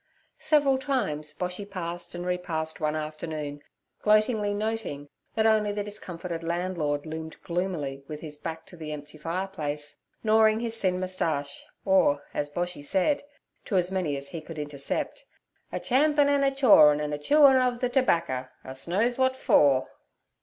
Several times Boshy passed and repassed one afternoon, gloatingly nothing that only the discomfited landlord loomed gloomily with his back to the empty fireplace, gnawing his thin moustache, or, as Boshy said, to as many as he could intercept, 'a champin' an' a chawrin', an' a chewin' ov ther terbaccer—us knows wot fer.'